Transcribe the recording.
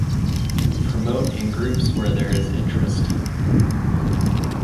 Promote in groups where there is interest.